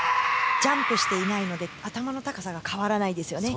ジャンプしていないので頭の高さが変わらないですよね。